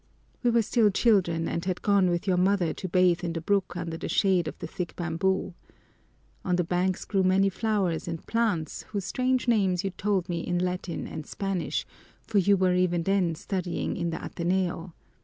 We were still children and had gone with your mother to bathe in the brook under the shade of the thick bamboo. On the banks grew many flowers and plants whose strange names you told me in Latin and Spanish, for you were even then studying in the Ateneo.